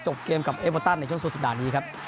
จบเกมกับเอพอติศในช่วงส่วนสุดสัปดาห์นี้ครับ